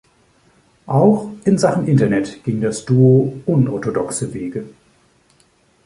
Auch in Sachen Internet ging das Duo unorthodoxe Wege.